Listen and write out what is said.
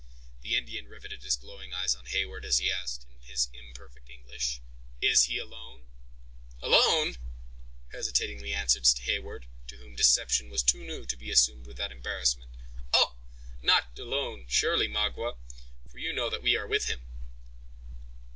The Indian riveted his glowing eyes on Heyward as he asked, in his imperfect English, "Is he alone?" "Alone!" hesitatingly answered Heyward, to whom deception was too new to be assumed without embarrassment. "Oh! not alone, surely, Magua, for you know that we are with him."